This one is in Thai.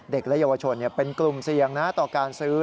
เด็กและเยาวชนเป็นกลุ่มเสี่ยงนะต่อการซื้อ